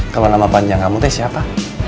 kalau nama panjang kamu teh siapa